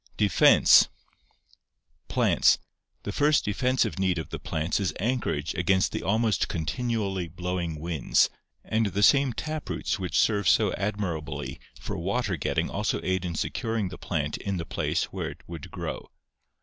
Defense Plants, — The first defensive need of the plants is anchorage against the almost continually blowing winds, and the same tap roots which serve so admirably for water getting also aid in secur ing the plant in the place where it would grow.